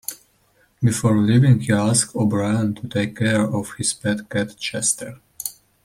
Before leaving, he asks O'Brien to take care of his pet cat Chester.